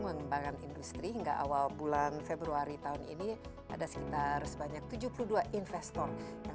mengembangkan industri hingga awal bulan februari tahun ini ada sekitar sebanyak tujuh puluh dua investor yang